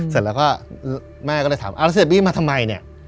เสร็จแล้วก็แม่ก็เลยถามเอาแล้วเสียบี้มาทำไมเนี่ย